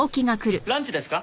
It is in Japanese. ランチですか？